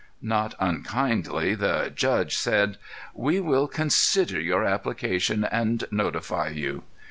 Not unkindly the "judge" said: "We will consider your application and notify you."